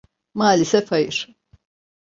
Maalesef hayır.